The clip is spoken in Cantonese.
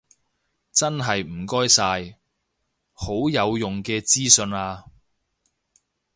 真係唔該晒，好有用嘅資訊啊